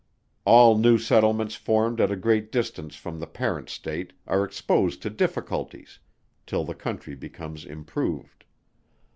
All new settlements formed at a great distance from the parent state, are exposed to difficulties, till the country becomes improved.